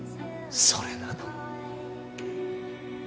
それなのに。